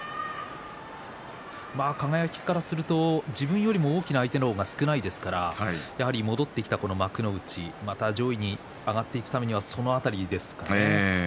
輝からすると自分より大きな相手の方が少ないですからまた上位に上がっていくためにはその辺りですかね。